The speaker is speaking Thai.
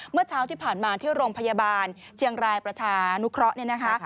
เมื่อเช้าที่ผ่านมาที่โรงพยาบาลเจียงไรประชานุเคราะห์